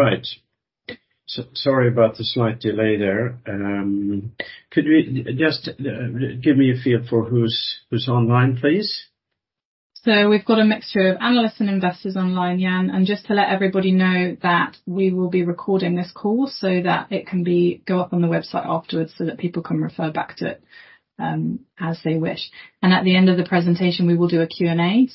All right. Sorry about the slight delay there. Just, give me a feel for who's online, please. We've got a mixture of analysts and investors online, Jan. Just to let everybody know that we will be recording this call so that it can be go up on the website afterwards so that people can refer back to it as they wish. At the end of the presentation, we will do a Q&A.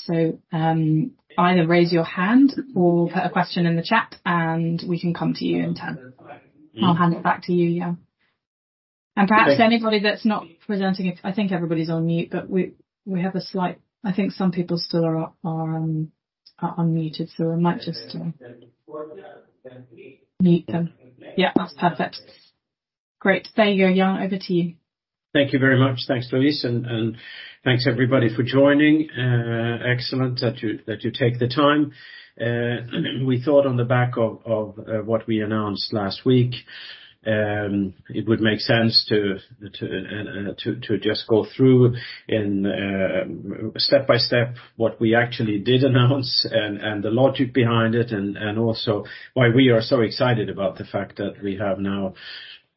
Either raise your hand or put a question in the chat, and we can come to you in turn. I'll hand it back to you, Jan. Perhaps anybody that's not presenting... I think everybody's on mute, but I think some people still are unmuted, so I might just mute them. Yeah, that's perfect. Great. There you go. Jan, over to you. Thank you very much. Thanks, Louise, and thanks everybody for joining. Excellent that you, that you take the time. We thought on the back of, what we announced last week, it would make sense to and to just go through and step by step what we actually did announce and the logic behind it, and also why we are so excited about the fact that we have now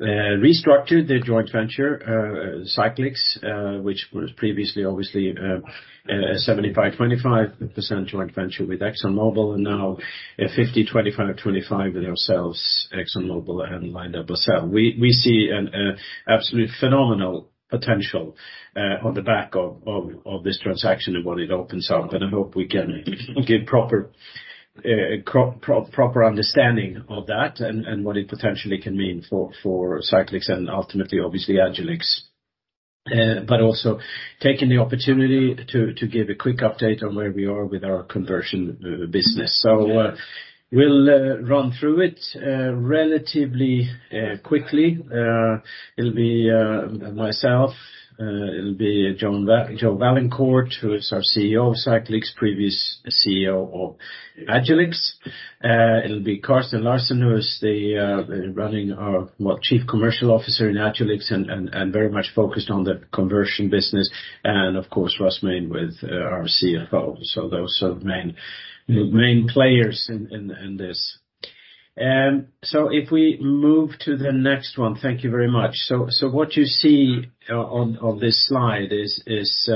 restructured the joint venture, Cyclyx, which was previously obviously, a 75%/25% joint venture with ExxonMobil and now a 50%/25%/25% with ourselves, ExxonMobil and LyondellBasell. We see an absolute phenomenal potential on the back of this transaction and what it opens up, and I hope we can give proper understanding of that and what it potentially can mean for Cyclyx and ultimately obviously Agilyx. Also taking the opportunity to give a quick update on where we are with our conversion business. We'll run through it relatively quickly. It'll be myself, it'll be Joseph Vaillancourt, who is our CEO of Cyclyx, previous CEO of Agilyx. It'll be Carsten Larsen, who is the running our, well, Chief Commercial Officer in Agilyx and very much focused on the conversion business, and of course, Russ Main with our CFO. Those are the main players in this. If we move to the next one. Thank you very much. What you see on this slide is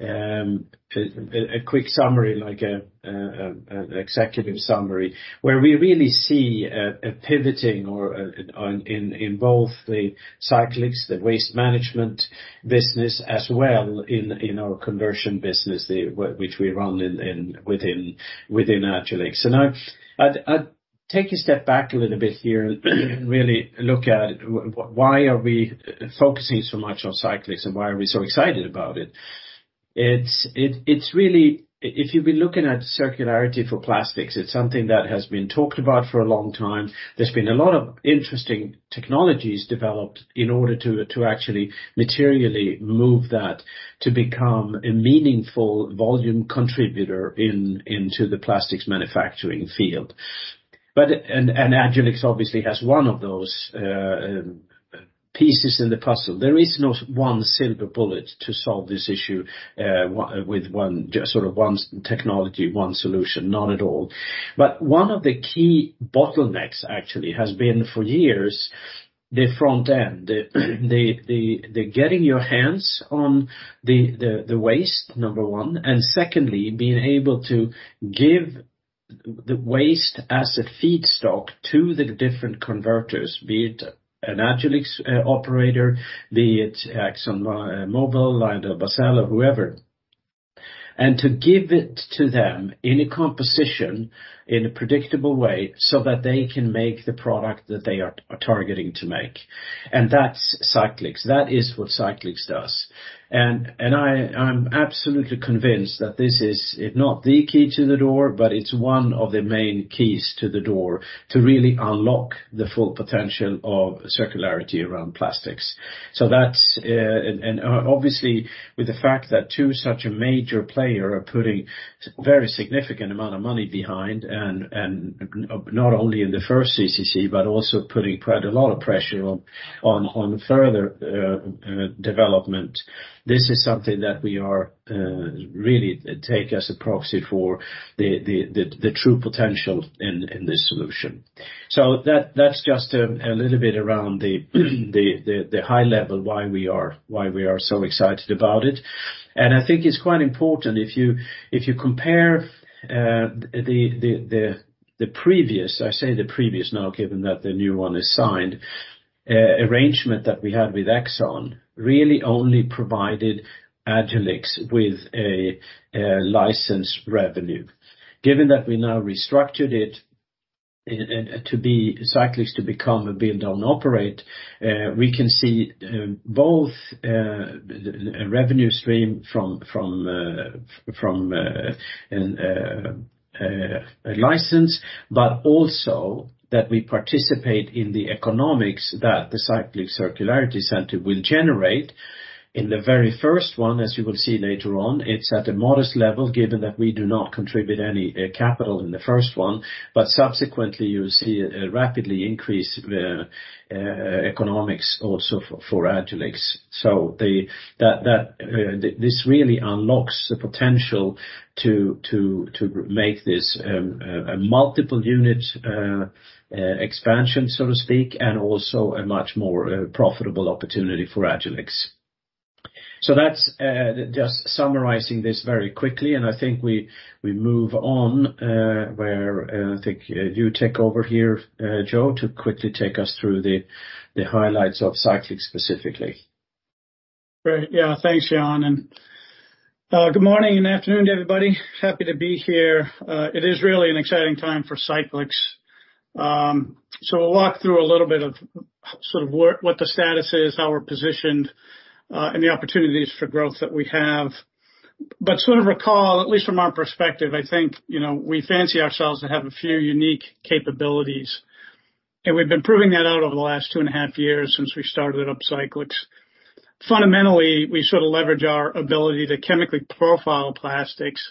a quick summary like an executive summary where we really see a pivoting or in both the Cyclyx, the Waste Management business, as well in, you know, conversion business, which we run within Agilyx. I'd take a step back a little bit here and really look at why are we focusing so much on Cyclyx, and why are we so excited about it. It's really. If you've been looking at circularity for plastics, it's something that has been talked about for a long time. There's been a lot of interesting technologies developed in order to actually materially move that to become a meaningful volume contributor in, into the plastics manufacturing field. Agilyx obviously has one of those pieces in the puzzle. There is not one silver bullet to solve this issue with one, just sort of one technology, one solution. Not at all. One of the key bottlenecks actually has been, for years, the front end. The getting your hands on the waste, number one, and secondly, being able to give the waste as a feedstock to the different converters, be it an Agilyx operator, be it ExxonMobil, LyondellBasell or whoever. To give it to them in a composition in a predictable way so that they can make the product that they are targeting to make. That's Cyclyx. That is what Cyclyx does. I'm absolutely convinced that this is, if not the key to the door, but it's one of the main keys to the door to really unlock the full potential of circularity around plastics. That's. Obviously, with the fact that two such a major player are putting very significant amount of money behind and not only in the first CCC, but also putting quite a lot of pressure on further development. This is something that we are really take as a proxy for the true potential in this solution. That's just a little bit around the high level why we are so excited about it. I think it's quite important if you, if you compare, the previous, I say the previous now given that the new one is signed, arrangement that we had with Exxon really only provided Agilyx with a license revenue. Given that we now restructured it and Cyclyx to become a build-own-operate, we can see both a revenue stream from a license, but also that we participate in the economics that the Cyclyx Circularity Center will generate. In the very first one, as you will see later on, it's at a modest level, given that we do not contribute any capital in the first one. Subsequently, you'll see a rapidly increased economics also for Agilyx. That this really unlocks the potential to make this a multiple unit expansion, so to speak, and also a much more profitable opportunity for Agilyx. That's just summarizing this very quickly, and I think we move on, where I think you take over here, Joe, to quickly take us through the highlights of Cyclyx specifically. Great. Yeah. Thanks, Jan, and good morning and afternoon, everybody. Happy to be here. It is really an exciting time for Cyclyx. We'll walk through a little bit of sort of work, what the status is, how we're positioned, and the opportunities for growth that we have. Sort of recall, at least from our perspective, I think, you know, we fancy ourselves to have a few unique capabilities. We've been proving that out over the last 2.5 years since we started up Cyclyx. Fundamentally, we sort of leverage our ability to chemically profile plastics.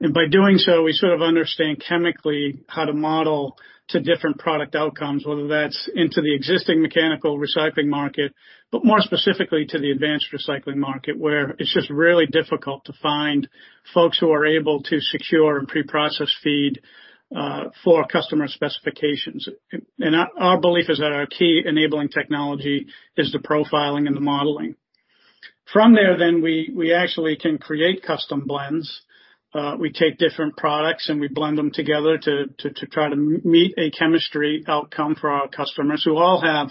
By doing so, we sort of understand chemically how to model to different product outcomes, whether that's into the existing mechanical recycling market, but more specifically to the advanced recycling market, where it's just really difficult to find folks who are able to secure and pre-process feed for customer specifications. Our belief is that our key enabling technology is the profiling and the modeling. We actually can create custom blends. We take different products, and we blend them together to try to meet a chemistry outcome for our customers who all have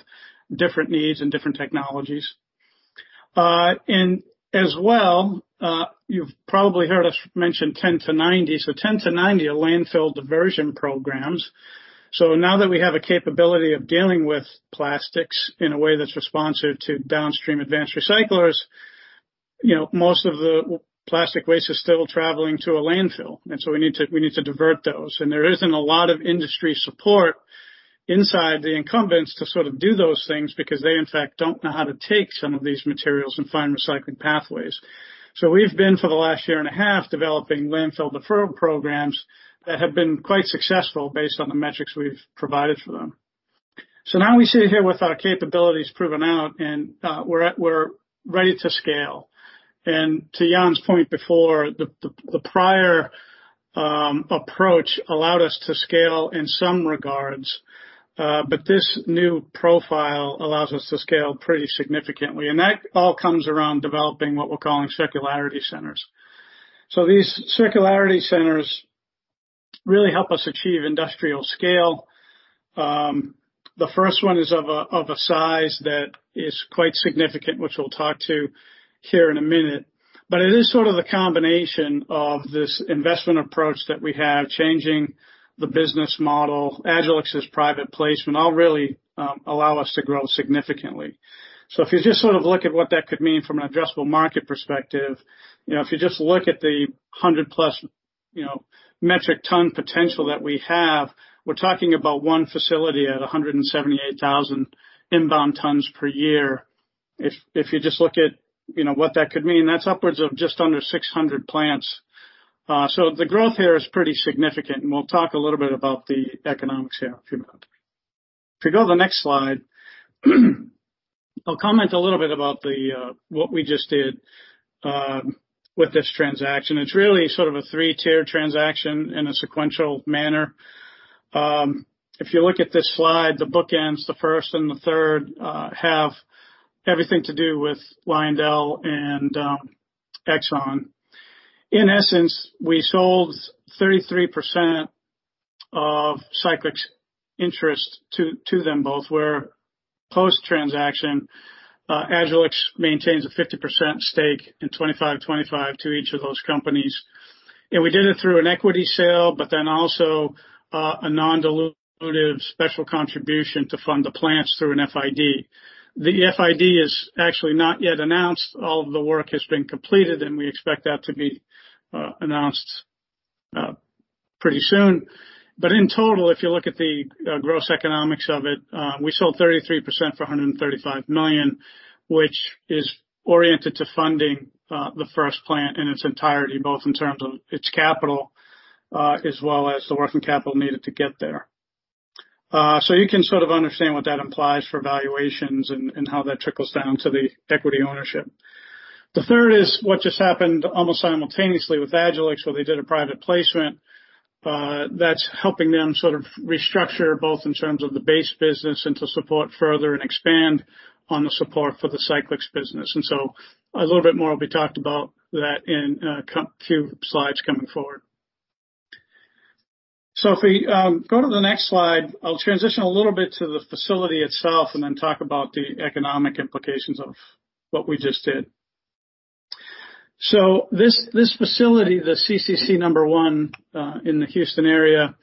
different needs and different technologies. As well, you've probably heard us mention 10to90. 10to90 are landfill diversion programs. Now that we have a capability of dealing with plastics in a way that's responsive to downstream advanced recyclers, you know, most of the plastic waste is still traveling to a landfill, we need to divert those. There isn't a lot of industry support inside the incumbents to sort of do those things because they, in fact, don't know how to take some of these materials and find recycling pathways. We've been, for the last year and a half, developing landfill deferral programs that have been quite successful based on the metrics we've provided for them. Now we sit here with our capabilities proven out, and we're ready to scale. To Jan's point before, the, the prior approach allowed us to scale in some regards, but this new profile allows us to scale pretty significantly. That all comes around developing what we're calling Circularity Centers. These Circularity Centers really help us achieve industrial scale. The first one is of a, of a size that is quite significant, which we'll talk to here in a minute. It is sort of the combination of this investment approach that we have, changing the business model. Agilyx's private placement all really allow us to grow significantly. If you just sort of look at what that could mean from an addressable market perspective, you know, if you just look at the 100+ you know, metric ton potential that we have, we're talking about one facility at 178,000 inbound tons per year. If you just look at, you know, what that could mean, that's upwards of just under 600 plants. The growth here is pretty significant, and we'll talk a little bit about the economics here in a few minutes. If you go to the next slide, I'll comment a little bit about the what we just did with this transaction. It's really sort of a Three-tier transaction in a sequential manner. If you look at this slide, the bookends, the first and the third, have everything to do with Lyondell and Exxon. In essence, we sold 33% of Cyclyx interest to them both, where post-transaction, Agilyx maintains a 50% stake and 25/25 to each of those companies. We did it through an equity sale, but then also, a non-dilutive special contribution to fund the plants through an FID. The FID is actually not yet announced. All of the work has been completed, and we expect that to be announced pretty soon. In total, if you look at the gross economics of it, we sold 33% for $135 million, which is oriented to funding the first plant in its entirety, both in terms of its capital, as well as the working capital needed to get there. You can sort of understand what that implies for valuations and how that trickles down to the equity ownership. The third is what just happened almost simultaneously with Agilyx, where they did a private placement that's helping them sort of restructure both in terms of the base business and to support further and expand on the support for the Cyclyx business. A little bit more will be talked about that in a few slides coming forward. If we go to the next slide, I'll transition a little bit to the facility itself and then talk about the economic implications of what we just did. This facility, the CCC number One, in the Houston area,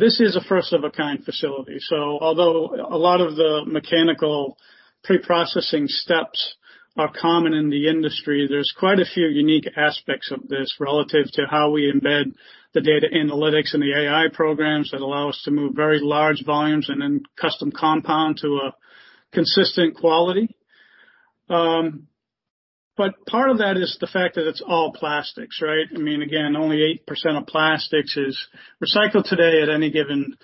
this is a first-of-a-kind facility. Although a lot of the mechanical pre-processing steps are common in the industry, there's quite a few unique aspects of this relative to how we embed the data analytics and the AI programs that allow us to move very large volumes and then custom compound to a consistent quality. Part of that is the fact that it's all plastics, right? I mean, again, only 8% of plastics is recycled today at any given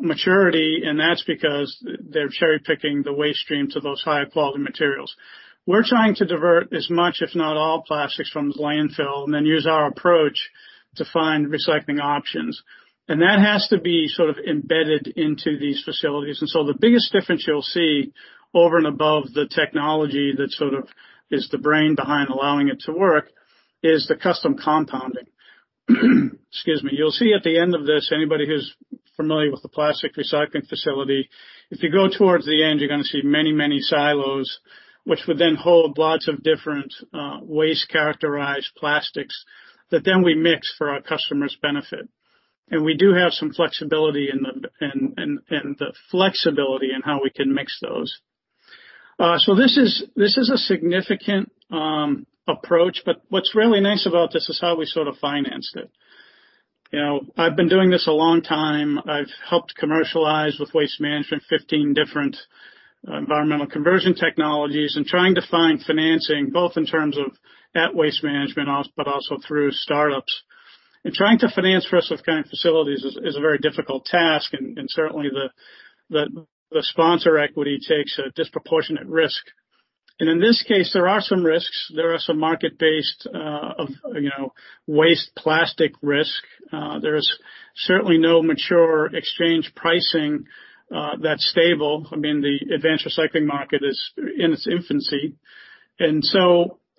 maturity, and that's because they're cherry-picking the waste stream to those high-quality materials. We're trying to divert as much, if not all, plastics from landfill and then use our approach to find recycling options. That has to be sort of embedded into these facilities. The biggest difference you'll see over and above the technology that sort of is the brain behind allowing it to work is the custom compounding. Excuse me. You'll see at the end of this, anybody who's familiar with the plastic recycling facility, if you go towards the end, you're going to see many silos, which would then hold lots of different waste characterized plastics that then we mix for our customers' benefit. We do have some flexibility in the flexibility in how we can mix those. This is a significant approach, but what's really nice about this is how we sort of financed it. You know, I've been doing this a long time. I've helped commercialize with Waste Management 15 different environmental conversion technologies trying to find financing, both in terms of at Waste Management but also through startups. Trying to finance for us with kind of facilities is a very difficult task, and certainly the sponsor equity takes a disproportionate risk. In this case, there are some risks. There are some market-based, you know, waste plastic risk. There is certainly no mature exchange pricing that's stable. I mean, the advanced recycling market is in its infancy.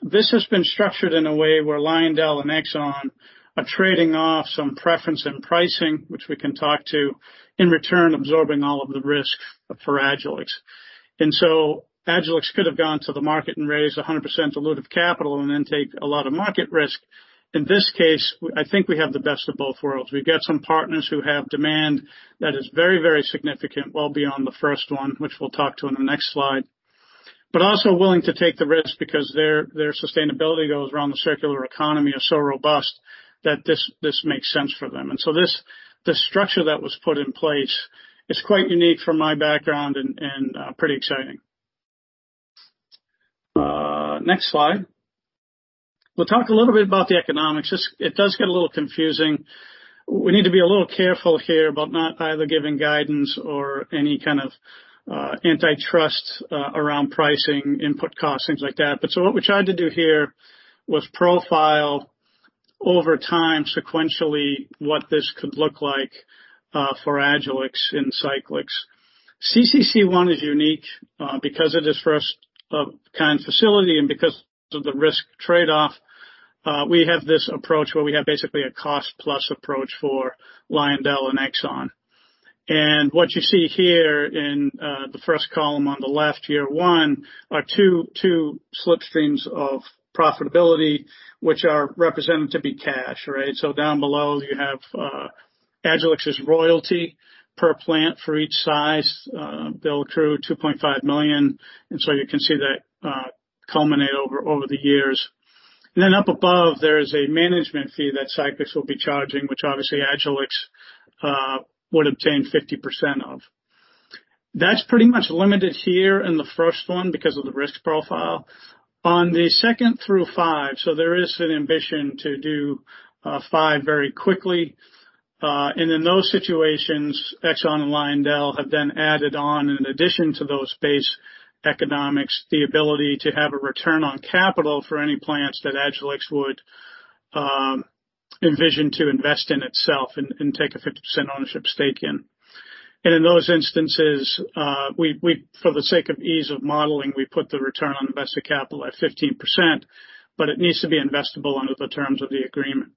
This has been structured in a way where Lyondell and Exxon are trading off some preference in pricing, which we can talk to, in return absorbing all of the risk for Agilyx. Agilyx could have gone to the market and raised 100% dilutive capital and then take a lot of market risk. In this case, I think we have the best of both worlds. We've got some partners who have demand that is very, very significant, well beyond the first one, which we'll talk to in the next slide. Also willing to take the risk because their sustainability goals around the circular economy are so robust that this makes sense for them. This, this structure that was put in place is quite unique from my background and, pretty exciting. Next slide. We'll talk a little bit about the economics. It does get a little confusing. We need to be a little careful here about not either giving guidance or any kind of antitrust around pricing, input costs, things like that. What we tried to do here was profile over time sequentially what this could look like for Agilyx and Cyclyx. CCC 1 is unique because it is first of kind facility and because of the risk trade-off, we have this approach where we have basically a cost-plus approach for Lyondell and Exxon. What you see here in the first column on the left here, One are Two slip streams of profitability, which are represented to be cash, right? Down below, you have Agilyx's royalty per plant for each size, bill true $2.5 million. You can see that culminate over the years. Up above, there is a management fee that Cyclyx will be charging, which obviously Agilyx would obtain 50% of. That's pretty much limited here in the One because of the risk profile. On the Two through Five, there is an ambition to do Five very quickly. In those situations, Exxon and Lyondell have then added on, in addition to those base economics, the ability to have a return on capital for any plants that Agilyx would envision to invest in itself and take a 50% ownership stake in. In those instances, we for the sake of ease of modeling, we put the return on invested capital at 15%, but it needs to be investable under the terms of the agreement.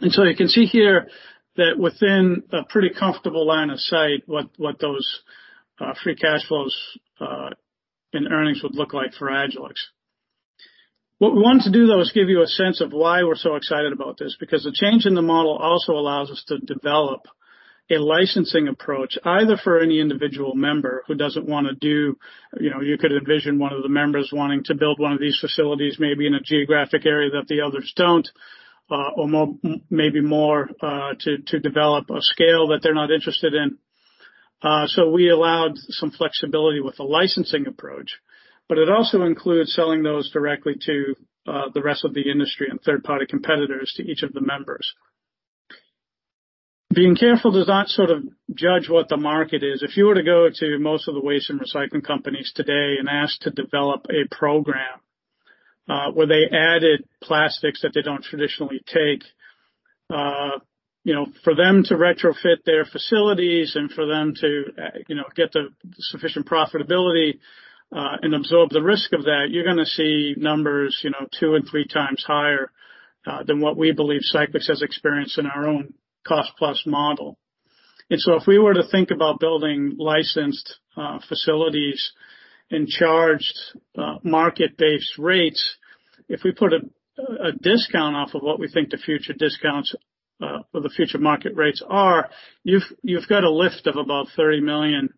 You can see here that within a pretty comfortable line of sight, what those free cash flows and earnings would look like for Agilyx. We wanted to do, though, is give you a sense of why we're so excited about this, because the change in the model also allows us to develop a licensing approach either for any individual member who doesn't wanna do. You know, you could envision one of the members wanting to build one of these facilities, maybe in a geographic area that the others don't, or maybe more to develop a scale that they're not interested in. We allowed some flexibility with the licensing approach, but it also includes selling those directly to the rest of the industry and third-party competitors to each of the members. Being careful does not sort of judge what the market is. If you were to go to most of the waste and recycling companies today and ask to develop a program, where they added plastics that they don't traditionally take, you know, for them to retrofit their facilities and for them to, you know, get the sufficient profitability, and absorb the risk of that, you're gonna see numbers, you know, Two and Three times higher than what we believe Cyclyx has experienced in our own cost-plus model. If we were to think about building licensed facilities and charged market-based rates, if we put a discount off of what we think the future discounts, or the future market rates are, you've got a lift of about $30 million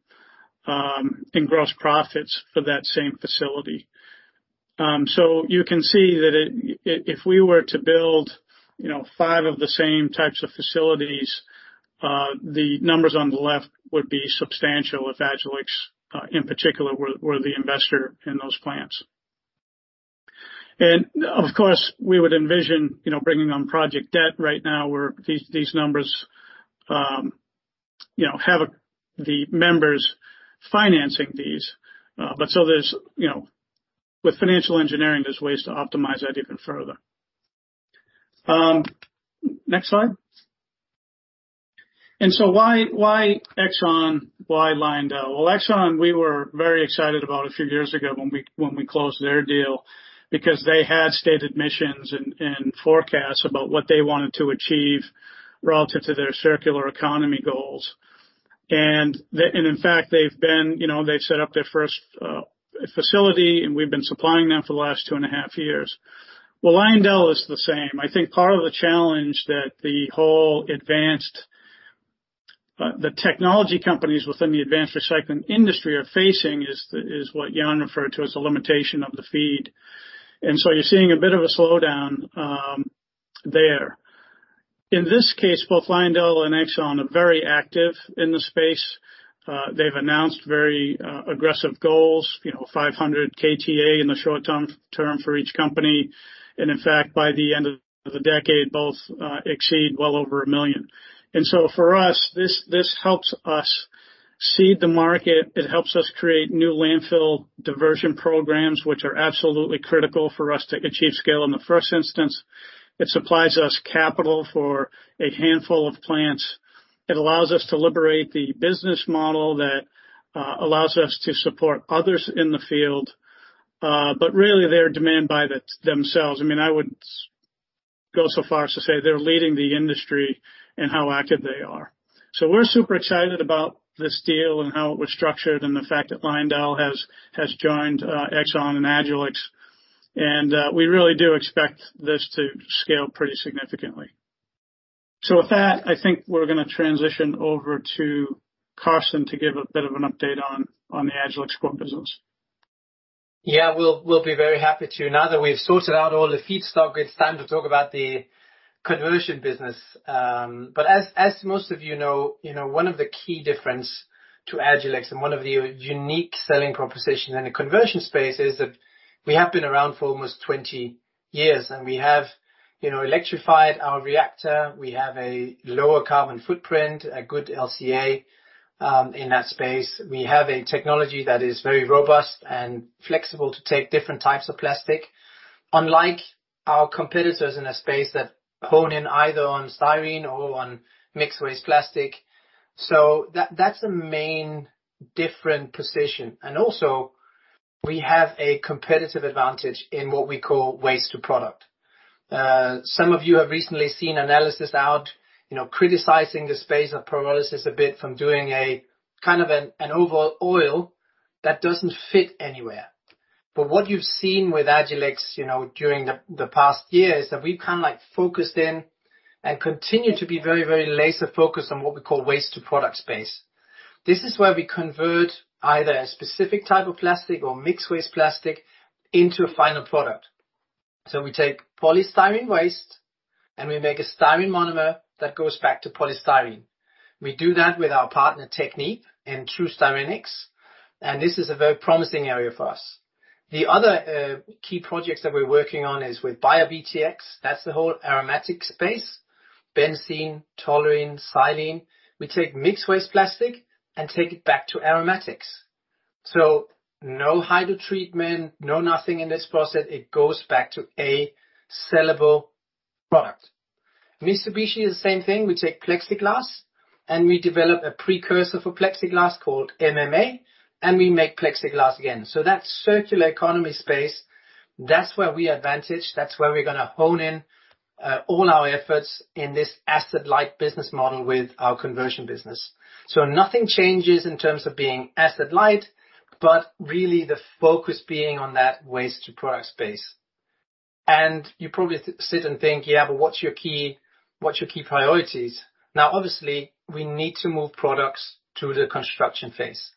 in gross profits for that same facility. So you can see that if we were to build, you know, Five of the same types of facilities, the numbers on the left would be substantial if Agilyx, in particular, were the investor in those plants. Of course, we would envision, you know, bringing on project debt right now where these numbers, you know, have the members financing these. There's, you know, with financial engineering, there's ways to optimize that even further. Next slide. Why, why Exxon? Why Lyondell? Well, Exxon, we were very excited about a few years ago when we, when we closed their deal because they had stated missions and forecasts about what they wanted to achieve relative to their circular economy goals. In fact, they've been, you know, they've set up their first facility, and we've been supplying them for the last two and a half years. Lyondell is the same. I think part of the challenge that the whole advanced the technology companies within the advanced recycling industry are facing is what Jan referred to as the limitation of the feed. You're seeing a bit of a slowdown there. In this case, both Lyondell and Exxon are very active in the space. They've announced very aggressive goals, you know, 500 KTA in the short-term for each company. In fact, by the end of the decade, both exceed well over 1 million. For us, this helps us seed the market. It helps us create new landfill diversion programs, which are absolutely critical for us to achieve scale in the first instance. It supplies us capital for a handful of plants. It allows us to liberate the business model that allows us to support others in the field, but really their demand by themselves. I mean, I would go so far as to say they're leading the industry in how active they are. We're super excited about this deal and how it was structured and the fact that Lyondell has joined Exxon and Agilyx. We really do expect this to scale pretty significantly. With that, I think we're gonna transition over to Carsonto give a bit of an update on the Agilyx core business. Yeah. We'll be very happy to. Now that we've sorted out all the feedstock, it's time to talk about the conversion business. As most of you know, you know, one of the key difference to Agilyx and one of the unique selling proposition in the conversion space is that we have been around for almost 20 years, and we have, you know, electrified our reactor. We have a lower carbon footprint, a good LCA in that space. We have a technology that is very robust and flexible to take different types of plastic, unlike our competitors in a space that hone in either on styrene or on mixed waste plastic. That's a main different position. Also, we have a competitive advantage in what we call waste to product. Some of you have recently seen analysis out, you know, criticizing the space of pyrolysis a bit from doing a kind of an overall oil that doesn't fit anywhere. What you've seen with Agilyx, you know, during the past years, that we've kinda like focused in and continue to be very, very laser focused on what we call waste to product space. This is where we convert either a specific type of plastic or mixed waste plastic into a final product. We take polystyrene waste, and we make a styrene monomer that goes back to polystyrene. We do that with our partner technique in True Styrenics, and this is a very promising area for us. The other key projects that we're working on is with BioBTX. That's the whole aromatic space, benzene, toluene, xylene. We take mixed waste plastic and take it back to aromatics. No hydrotreatment, no nothing in this process. It goes back to a sellable product. Mitsubishi is the same thing. We take plexiglass, and we develop a precursor for plexiglass called MMA, and we make plexiglass again. That circular economy space, that's where we advantage. That's where we're gonna hone in all our efforts in this asset-light business model with our conversion business. Nothing changes in terms of being asset-light, but really the focus being on that waste to product space. You probably sit and think, "Yeah, but what's your key priorities?" Obviously, we need to move products to the construction phase.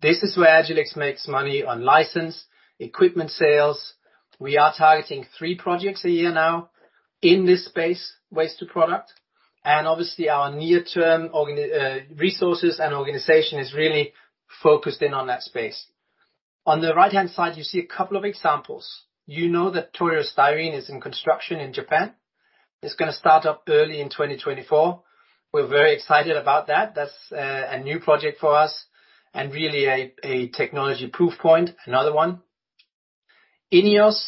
This is where Agilyx makes money on license, equipment sales. We are targeting three projects a year in this space, waste to product. Obviously, our near-term organ resources and organization is really focused in on that space. On the right-hand side, you see a couple of examples. You know that Toyo Styrene is in construction in Japan. It's gonna start up early in 2024. We're very excited about that. That's a new project for us and really a technology proof point. Another one. INEOS,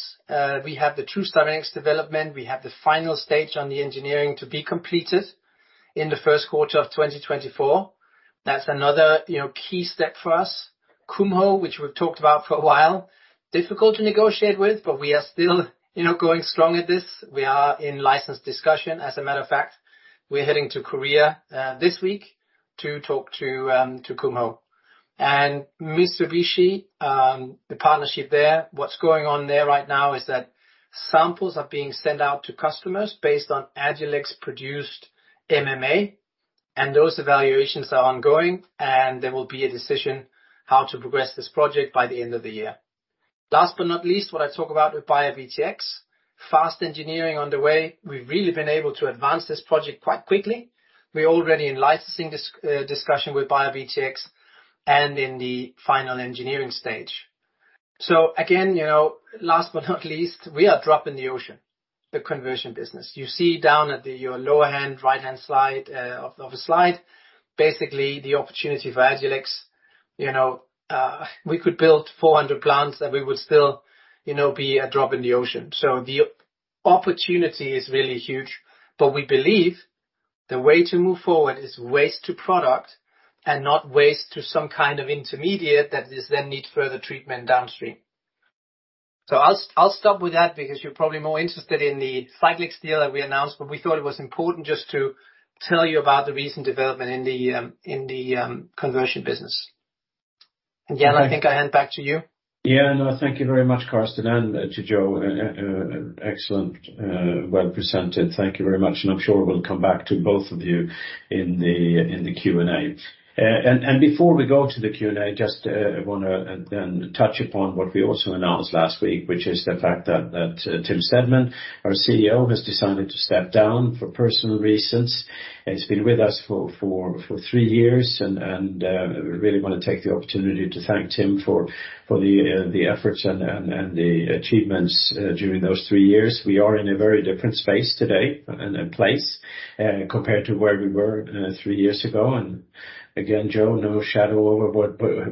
we have the TruStyrenics development. We have the final stage on the engineering to be completed in the first quarter of 2024. That's another, you know, key step for us. Kumho, which we've talked about for a while, difficult to negotiate with, we are still, you know, going strong at this. We are in license discussion. As a matter of fact, we're heading to Korea this week to talk to Kumho. Mitsubishi, the partnership there, what's going on there right now is that samples are being sent out to customers based on Agilyx-produced MMA, and those evaluations are ongoing, and there will be a decision how to progress this project by the end of the year. Last but not least, what I talk about with BioBTX. Fast engineering on the way. We've really been able to advance this project quite quickly. We're already in licensing discussion with BioBTX and in the final engineering stage. Again, you know, last but not least, we are a drop in the ocean, the conversion business. You see down at your lower hand, right-hand slide, of a slide, basically the opportunity for Agilyx, you know, we could build 400 plants, and we would still, you know, be a drop in the ocean. The opportunity is really huge, but we believe the way to move forward is waste to product and not waste to some kind of intermediate that is then need further treatment downstream. I'll stop with that because you're probably more interested in the Cyclyx deal that we announced, but we thought it was important just to tell you about the recent development in the, in the conversion business. Jan, I think I hand back to you. Yeah, no, thank you very much, Carsten, and to Joe, excellent, well presented. Thank you very much. I'm sure we'll come back to both of you in the Q&A. Before we go to the Q&A, just wanna touch upon what we also announced last week, which is the fact that Tim Stedman, our CEO, has decided to step down for personal reasons. He's been with us for Three years, and we really wanna take the opportunity to thank Tim for the efforts and the achievements during those Three years. We are in a very different space today and place compared to where we were Three years ago. Again, Joe, no shadow over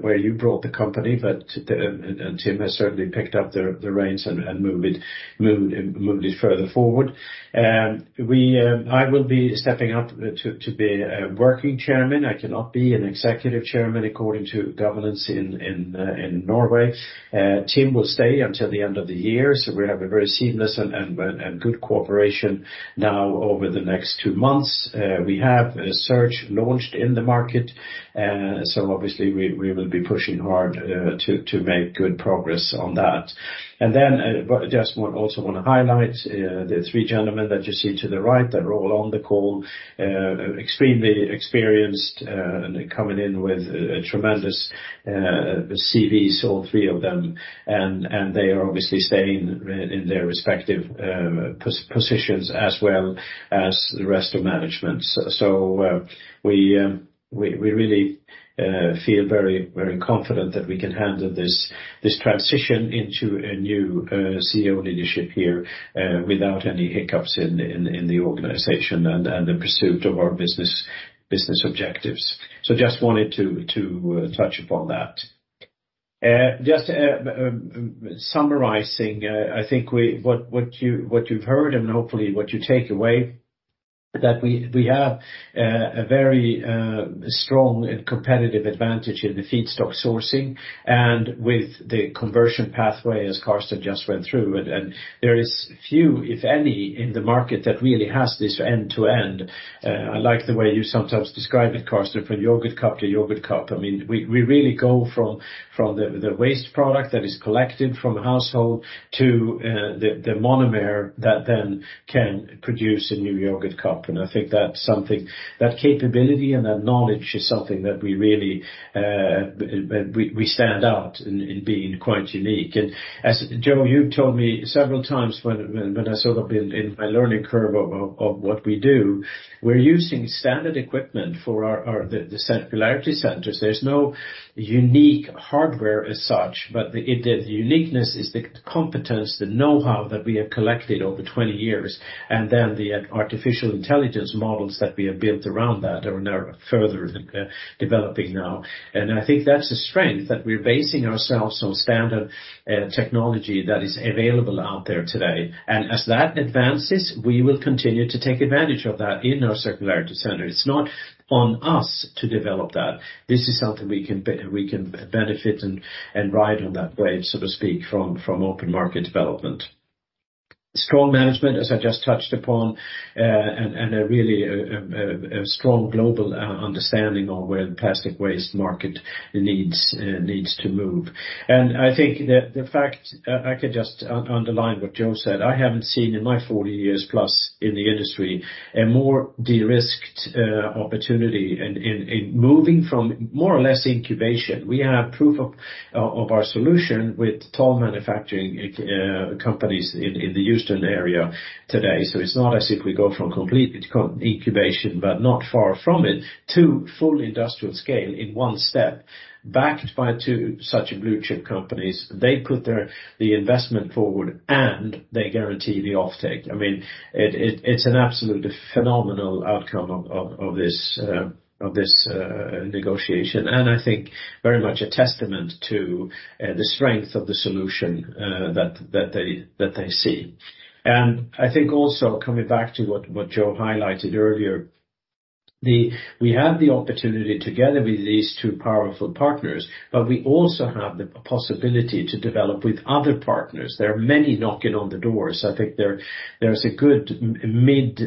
where you brought the company, but Tim has certainly picked up the reins and moved it further forward. I will be stepping up to be a working chairman. I cannot be an executive chairman according to governance in Norway. Tim will stay until the end of the year, so we have a very seamless and good cooperation now over the next two months. We have a search launched in the market, so obviously we will be pushing hard to make good progress on that. Just also wanna highlight the three gentlemen that you see to the right that are all on the call, extremely experienced and coming in with tremendous CVs, all three of them. They are obviously staying in their respective positions as well as the rest of management. We really feel very, very confident that we can handle this transition into a new CEO leadership here without any hiccups in the organization and the pursuit of our business objectives. Just wanted to touch upon that. Just summarizing, I think what you've heard and hopefully what you take away, that we have a very strong and competitive advantage in the feedstock sourcing and with the conversion pathway, as Carsten just went through. There is few, if any, in the market that really has this end-to-end. I like the way you sometimes describe it, Carsten, from yogurt cup to yogurt cup. I mean, we really go from the waste product that is collected from household to the monomer that then can produce a new yogurt cup. I think that's something. That capability and that knowledge is something that we really stand out in being quite unique. As, Joe, you've told me several times when I sort of in my learning curve of what we do, we're using standard equipment for our the Circularity Centers. There's no unique hardware as such, but the uniqueness is the competence, the know-how that we have collected over 20 years, and then the artificial intelligence models that we have built around that are now further developing now. I think that's a strength that we're basing ourselves on standard technology that is available out there today. As that advances, we will continue to take advantage of that in our Circularity Center. It's not on us to develop that. This is something we can benefit and ride on that wave, so to speak, from open market development. Strong management, as I just touched upon, and a really strong global understanding of where the plastic waste market needs to move. I think the fact. I can just underline what Joe said. I haven't seen in my 40 years plus in the industry a more de-risked opportunity in moving from more or less incubation. We have proof of our solution with toll manufacturing companies in the Houston area today. It's not as if we go from complete incubation, but not far from it, to full industrial scale in One step, backed by Two such blue chip companies. They put the investment forward, and they guarantee the offtake. I mean, it's an absolutely phenomenal outcome of this negotiation, and I think very much a testament to the strength of the solution that they see. I think also coming back to what Joe highlighted earlier, we have the opportunity together with these two powerful partners, but we also have the possibility to develop with other partners. There are many knocking on the door, I think there's a good mid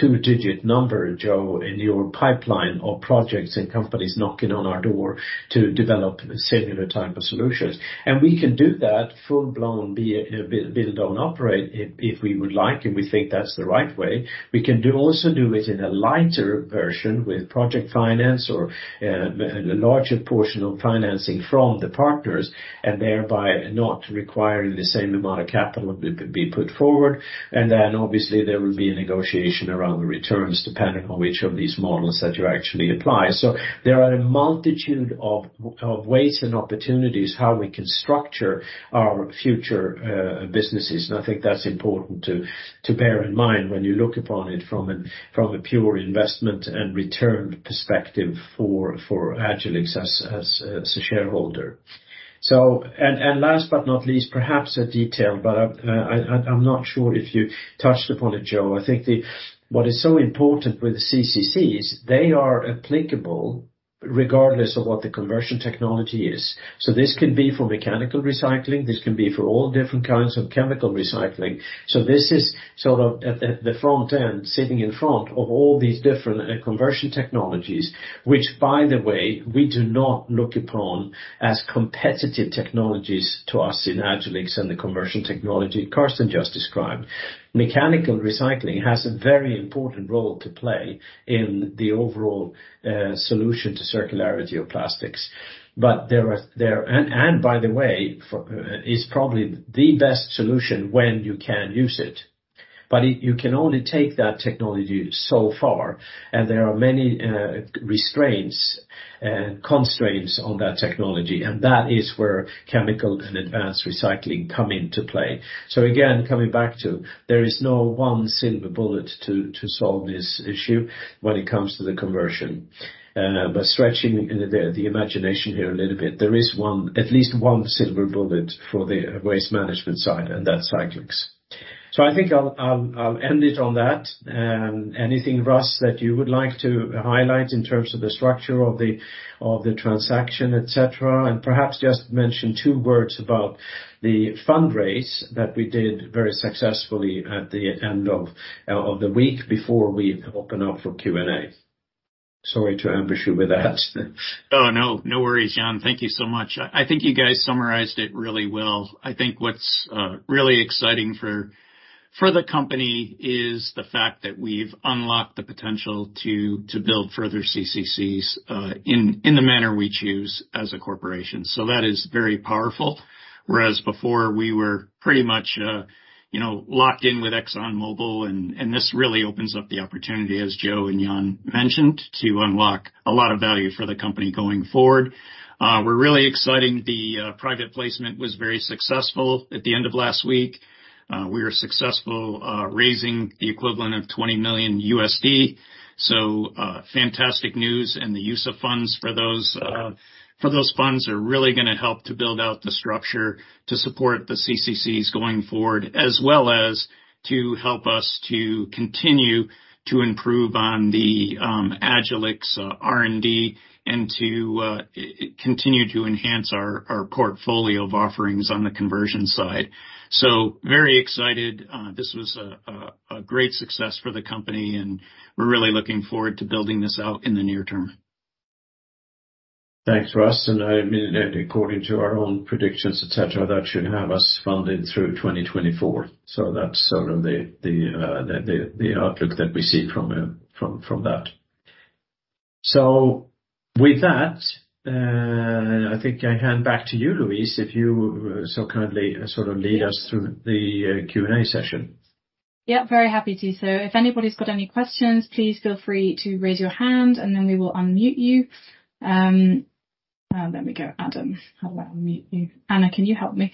Two-digit number, Joe, in your pipeline of projects and companies knocking on our door to develop similar type of solutions. We can do that full-blown, be it build-own-operate if we would like, and we think that's the right way. We can also do it in a lighter version with project finance or a larger portion of financing from the partners, and thereby not requiring the same amount of capital be put forward. Then, obviously, there will be a negotiation around the returns, depending on which of these models that you actually apply. There are a multitude of ways and opportunities how we can structure our future businesses. I think that's important to bear in mind when you look upon it from a pure investment and return perspective for Agilyx as a shareholder. Last but not least, perhaps a detail, but I'm not sure if you touched upon it, Joe. I think what is so important with CCC is they are applicable regardless of what the conversion technology is. This can be for mechanical recycling, this can be for all different kinds of chemical recycling. This is sort of at the front end, sitting in front of all these different conversion technologies, which, by the way, we do not look upon as competitive technologies to us in Agilyx and the conversion technology Carson just described. Mechanical recycling has a very important role to play in the overall solution to circularity of plastics. By the way, is probably the best solution when you can use it. You can only take that technology so far, and there are many restraints and constraints on that technology, and that is where chemical and advanced recycling come into play. Again, coming back to, there is no one silver bullet to solve this issue when it comes to the conversion. But stretching the imagination here a little bit, there is one, at least one silver bullet for the waste management side, and that's Agilyx. I think I'll end it on that. Anything, Russ, that you would like to highlight in terms of the structure of the transaction, et cetera? Perhaps just mention two words about the fundraise that we did very successfully at the end of the week before we open up for Q&A. Sorry to ambush you with that. Oh, no. No worries, Jan. Thank you so much. I think you guys summarized it really well. I think what's really exciting for the company is the fact that we've unlocked the potential to build further CCCs in the manner we choose as a corporation. That is very powerful. Whereas before we were pretty much, you know, locked in with ExxonMobil, this really opens up the opportunity, as Joe and Jan mentioned, to unlock a lot of value for the company going forward. We're really exciting. The private placement was very successful at the end of last week. We were successful raising the equivalent of $20 million. Fantastic news and the use of funds for those funds are really gonna help to build out the structure to support the CCCs going forward, as well as to help us to continue to improve on the Agilyx R&D and to continue to enhance our portfolio of offerings on the conversion side. Very excited. This was a great success for the company, and we're really looking forward to building this out in the near term. Thanks, Russ. I mean, according to our own predictions, et cetera, that should have us funded through 2024. That's sort of the outlook that we see from that. With that, I think I hand back to you, Louise, if you so kindly sort of lead us through the Q&A session. Yeah, very happy to. If anybody's got any questions, please feel free to raise your hand, and then we will unmute you. There we go, Adam. I will unmute you. Anna, can you help me?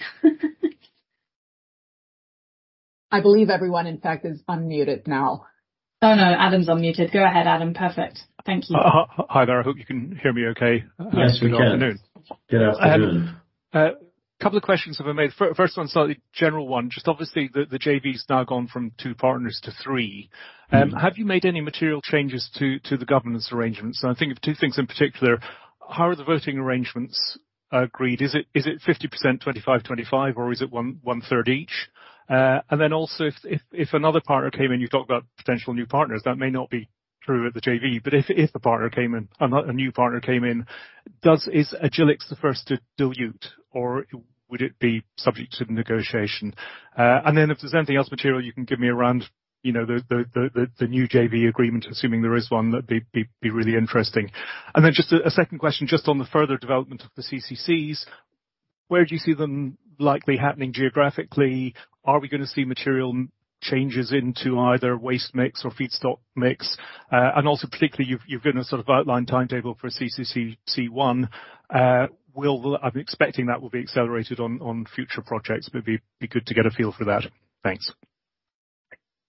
I believe everyone, in fact, is unmuted now. No, Adam's unmuted. Go ahead, Adam. Perfect. Thank you. Hi there. I hope you can hear me okay. Yes, we can. Good afternoon. Yeah, good afternoon. Couple of questions if I may. First one, slightly general one. Obviously, the JV has now gone from Two partners to Three. Mm-hmm. Have you made any material changes to the governance arrangements? I think of two things in particular. How are the voting arrangements agreed? Is it 50%, 25%, 25%, or is it one third each? Also, if another partner came in, you talk about potential new partners, that may not be true at the JV, but if a new partner came in, Is Agilyx the first to dilute, or would it be subject to the negotiation? If there's anything else material you can give me around, you know, the new JV agreement, assuming there is one, that'd be really interesting. Just a second question, just on the further development of the CCCs, where do you see them likely happening geographically? Are we gonna see material changes into either waste mix or feedstock mix? Also particularly, you've given a sort of outline timetable for CCC 1. I'm expecting that will be accelerated on future projects, but it'd be good to get a feel for that. Thanks.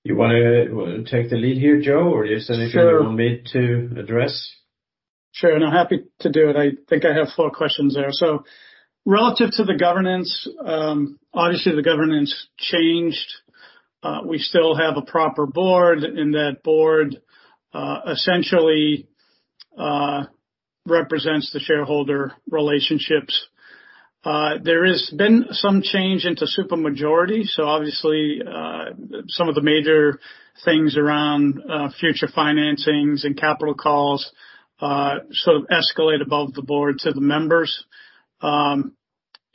You wanna take the lead here, Joe? Or is there anything? Sure you want me to address? Sure, I'm happy to do it. I think I have Four questions there. Relative to the governance, obviously the governance changed. We still have a proper board, that board essentially represents the shareholder relationships. There has been some change into supermajority, obviously some of the major things around future financings and capital calls sort of escalate above the board to the members.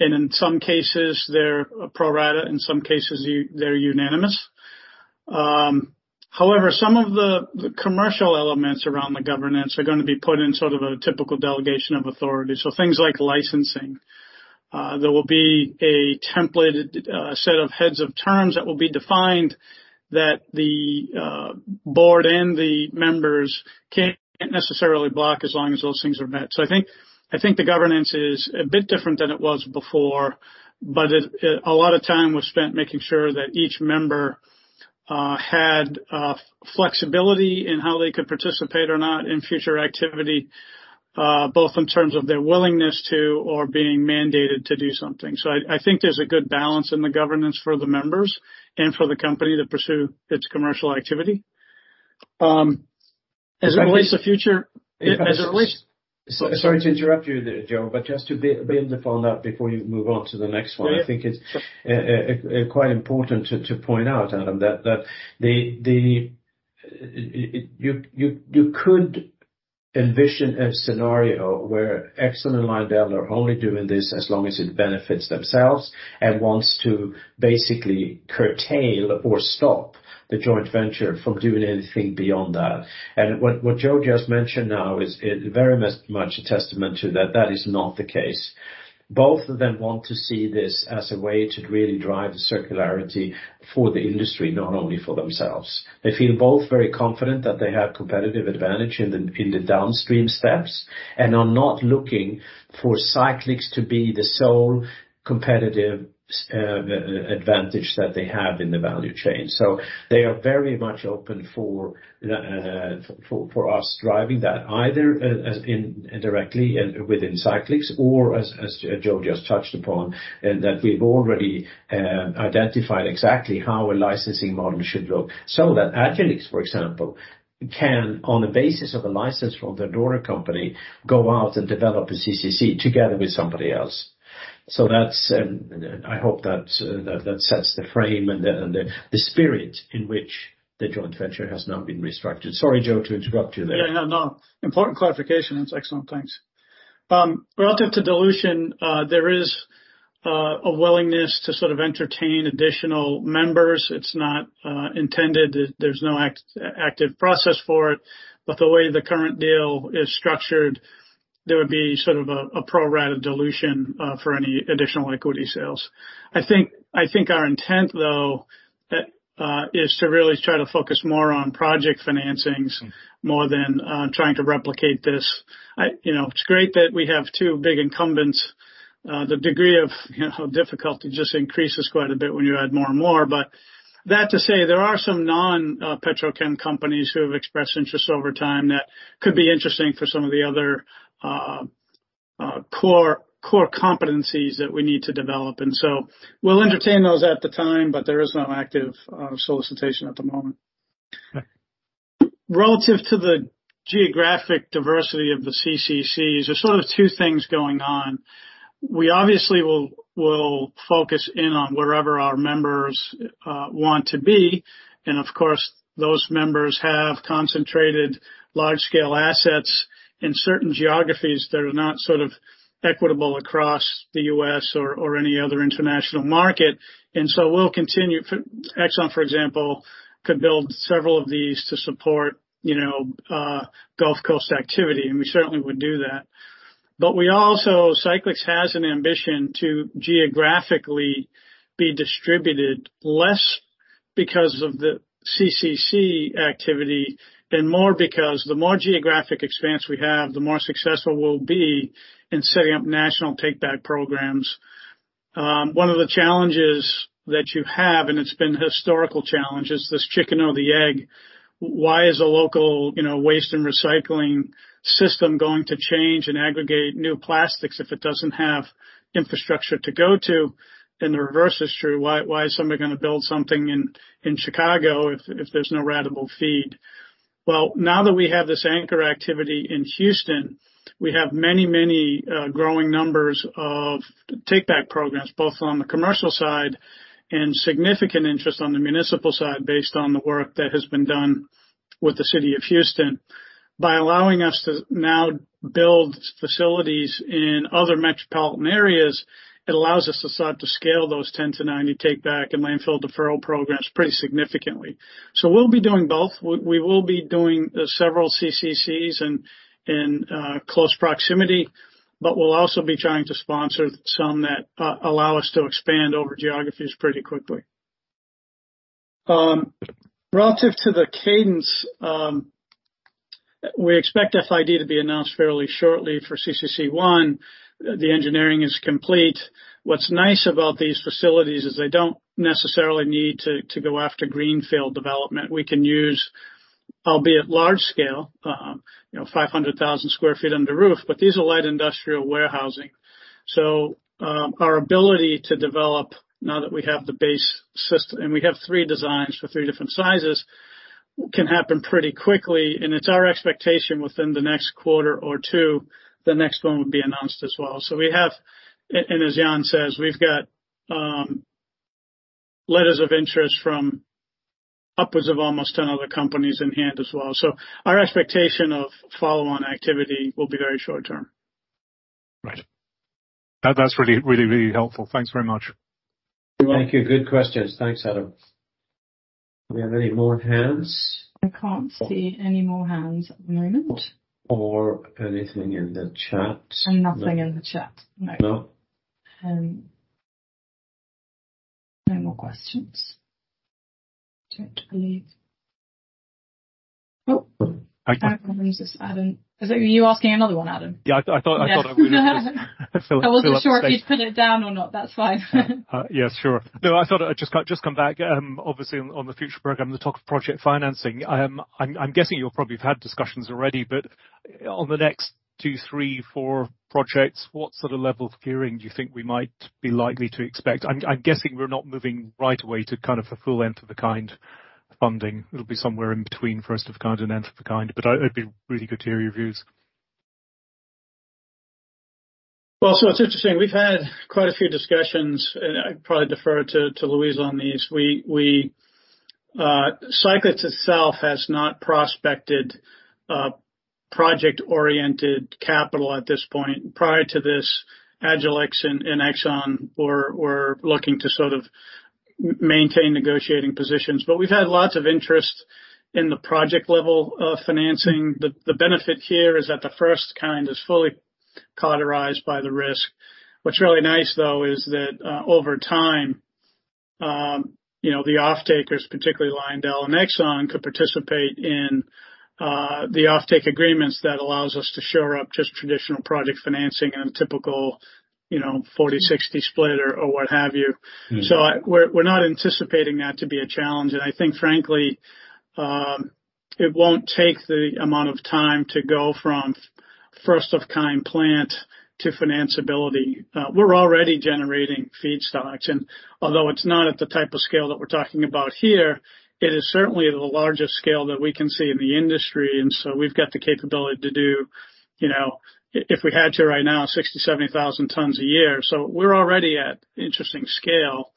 In some cases, they're pro rata, in some cases they're unanimous. However, some of the commercial elements around the governance are going to be put in sort of a typical delegation of authority, things like licensing. There will be a templated set of heads of terms that will be defined that the board and the members can't necessarily block as long as those things are met. I think the governance is a bit different than it was before, but a lot of time was spent making sure that each member had flexibility in how they could participate or not in future activity, both in terms of their willingness to or being mandated to do something. I think there's a good balance in the governance for the members and for the company to pursue its commercial activity. As it relates to future. Sorry to interrupt you there, Joe, but just to build the phone up before you move on to the next one. Yeah. I think it's quite important to point out, Adam, that you could envision a scenario where Exxon and Lyondell are only doing this as long as it benefits themselves and wants to basically curtail or stop the joint venture from doing anything beyond that. What Joe just mentioned now is very much a testament to that that is not the case. Both of them want to see this as a way to really drive the circularity for the industry, not only for themselves. They feel both very confident that they have competitive advantage in the downstream steps, and are not looking for Cyclyx to be the sole competitive advantage that they have in the value chain. They are very much open for the, for us driving that either as in indirectly within Cyclyx or as Joe just touched upon, that we've already identified exactly how a licensing model should look so that Agilyx, for example, can, on the basis of a license from the Dora Company, go out and develop a CCC together with somebody else. That's I hope that that sets the frame and the, and the spirit in which the joint venture has now been restructured. Sorry, Joe, to interrupt you there. Yeah, no. Important clarification. It's excellent. Thanks. Relative to dilution, there is a willingness to sort of entertain additional members. It's not intended. There's no active process for it. The way the current deal is structured, there would be sort of a pro rata dilution for any additional equity sales. I think our intent, though, is to really try to focus more on project financings more than trying to replicate this. You know, it's great that we have two big incumbents. The degree of, you know, difficulty just increases quite a bit when you add more and more. That to say, there are some non-petrochem companies who have expressed interest over time that could be interesting for some of the other core competencies that we need to develop. We'll entertain those at the time, but there is no active solicitation at the moment. Okay. Relative to the geographic diversity of the CCCs, there's sort of two things going on. We obviously will focus in on wherever our members want to be. Of course, those members have concentrated large scale assets in certain geographies that are not sort of equitable across the US or any other international market. We'll continue. Exxon, for example, could build several of these to support, you know, Gulf Coast activity, and we certainly would do that. We also. Cyclyx has an ambition to geographically be distributed less because of the CCC activity and more because the more geographic expanse we have, the more successful we'll be in setting up national take-back programs. One of the challenges that you have, and it's been historical challenge, is this chicken or the egg. Why is a local, you know, waste and recycling system going to change and aggregate new plastics if it doesn't have infrastructure to go to? The reverse is true. Why is somebody gonna build something in Chicago if there's no ratable feed? Well, now that we have this anchor activity in Houston, we have many, many growing numbers of take-back programs, both on the commercial side and significant interest on the municipal side based on the work that has been done with the City of Houston. By allowing us to now build facilities in other metropolitan areas, it allows us to start to scale those 10to90 take-back and landfill deferral programs pretty significantly. We'll be doing both. We will be doing several CCCs in close proximity, but we'll also be trying to sponsor some that allow us to expand over geographies pretty quickly. Relative to the cadence, we expect FID to be announced fairly shortly for CCC-1. The engineering is complete. What's nice about these facilities is they don't necessarily need to go after greenfield development. Albeit large scale, you know, 500,000 sq ft under the roof, but these are light industrial warehousing. Our ability to develop now that we have the base syst-- and we have three designs for three different sizes, can happen pretty quickly, and it's our expectation within the next quarter or two, the next one will be announced as well. As Jan says, we've got letters of interest from upwards of almost 10 other companies in hand as well. Our expectation of follow-on activity will be very short term. Right. That's really helpful. Thanks very much. You're welcome. Thank you. Good questions. Thanks, Adam. Do we have any more hands? I can't see any more hands at the moment. Anything in the chat? No. Nothing in the chat, no. No. No more questions. I don't believe. Oh. I- Adam. Is it you asking another one, Adam? Yeah, I thought. I wasn't sure if you'd put it down or not. That's fine. Yes, sure. No, I thought I'd just come back, obviously on the future program, the top of project financing. I'm guessing you probably have had discussions already, but on the next 2, 3, 4 projects, what sort of level of gearing do you think we might be likely to expect? I'm guessing we're not moving right away to kind of the full end-of-the-kind funding. It'll be somewhere in between first of kind and end of the kind. It'd be really good to hear your views. It's interesting. We've had quite a few discussions, and I'd probably defer to Louise on these. We Cyclyx itself has not prospected project-oriented capital at this point. Prior to this, Agilyx and Exxon were looking to sort of maintain negotiating positions. We've had lots of interest in the project level of financing. The benefit here is that the first kind is fully cauterized by the risk. What's really nice, though, is that over time, you know, the offtakers, particularly Lyondell and Exxon, could participate in the offtake agreements that allows us to shore up just traditional project financing in a typical, you know, 40-60 split or what have you. Mm-hmm. We're not anticipating that to be a challenge. I think, frankly, it won't take the amount of time to go from first of kind plant to financability. We're already generating feedstocks. Although it's not at the type of scale that we're talking about here, it is certainly the largest scale that we can see in the industry, we've got the capability to do, you know, if we had to right now, 60,000-70,000 tons a year. We're already at interesting scale,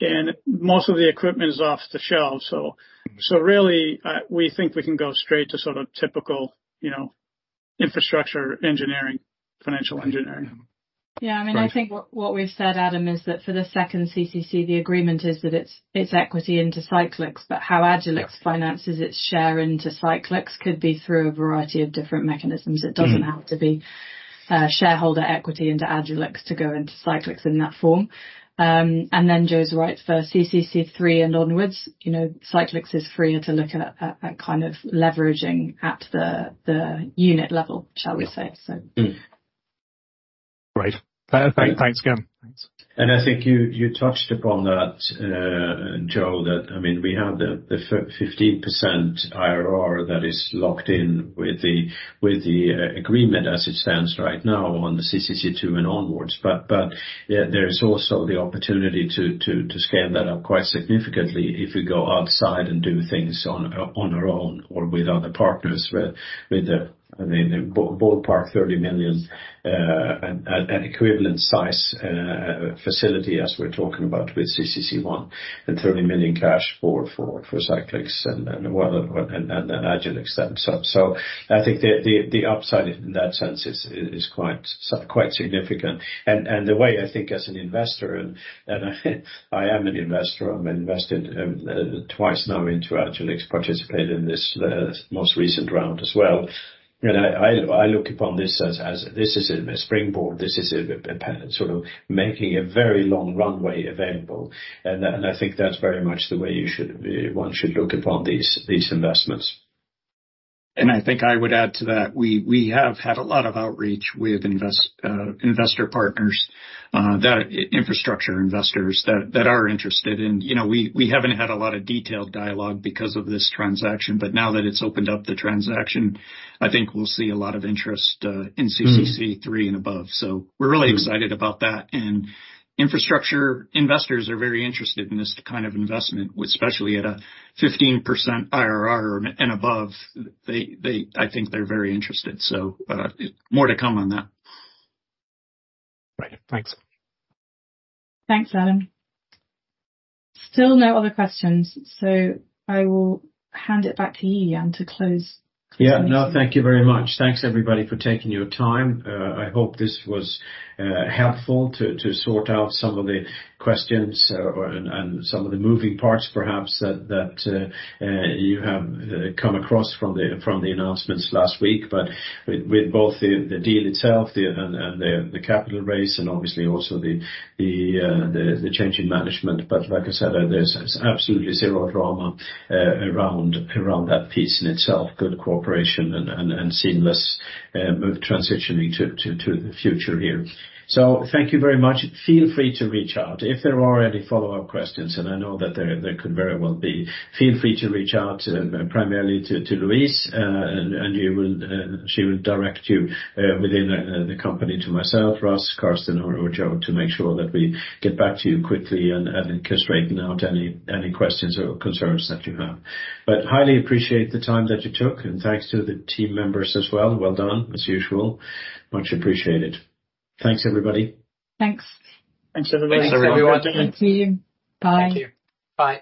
and most of the equipment is off the shelf. Really, we think we can go straight to sort of typical, you know, infrastructure engineering, financial engineering. Mm-hmm. Yeah. I mean. Right. I think what we've said, Adam, is that for the second CCC, the agreement is that it's equity into Cyclyx, but how Agilyx finances its share into Cyclyx could be through a variety of different mechanisms. Mm-hmm. It doesn't have to be shareholder equity into Agilyx to go into Cyclyx in that form. Then Joe's right, for CCC 3 and onwards, you know, Cyclyx is freer to look at kind of leveraging at the unit level, shall we say? So. Mm-hmm. Right. Thanks again. Thanks. I think you touched upon that, Joe, that, I mean, we have the 15% IRR that is locked in with the agreement as it stands right now on the CCC 2 and onwards. yeah, there is also the opportunity to scale that up quite significantly if we go outside and do things on our own or with other partners with, I mean, the ballpark $30 million an equivalent size facility as we're talking about with CCC 1, and $30 million cash for Cyclyx and well, and Agilyx then. I think the upside in that sense is quite significant. The way I think as an investor, I am an investor, I'm invested twice now into Agilyx, participated in this most recent round as well. You know, I look upon this as this is a springboard, this is a sort of making a very long runway available. I think that's very much the way you should, one should look upon these investments. I think I would add to that. We have had a lot of outreach with investor partners that infrastructure investors that are interested. You know, we haven't had a lot of detailed dialogue because of this transaction, but now that it's opened up the transaction, I think we'll see a lot of interest in CCC three. Mm. above. We're really excited about that. Infrastructure investors are very interested in this kind of investment, especially at a 15% IRR and above. They, I think they're very interested. More to come on that. Right. Thanks. Thanks, Adam. Still no other questions, so I will hand it back to you, Jan, to close this meeting. Yeah. No, thank you very much. Thanks, everybody, for taking your time. I hope this was helpful to sort out some of the questions, or, and some of the moving parts, perhaps, that you have come across from the announcements last week. With both the deal itself, the, and the capital raise and obviously also the change in management. Like I said, there's absolutely zero drama around that piece in itself. Good cooperation and seamless move transitioning to the future here. Thank you very much. Feel free to reach out. If there are any follow-up questions, and I know that there could very well be, feel free to reach out, primarily to Louise, and you will... She will direct you within the company to myself, Russ, Carsten, or Joe, to make sure that we get back to you quickly and can straighten out any questions or concerns that you have. Highly appreciate the time that you took, and thanks to the team members as well. Well done, as usual. Much appreciated. Thanks, everybody. Thanks. Thanks, everybody. Thanks, everyone. Good to see you. Bye. Thank you. Bye.